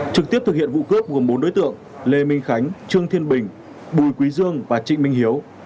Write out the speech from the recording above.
trực tiếp thực hiện vụ cướp gồm bốn đối tượng lê minh khánh trương thiên bình bùi quý dương và trịnh minh hiếu